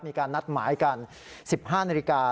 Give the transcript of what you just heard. มีการนัดหมายกัน๑๕นาฬิกา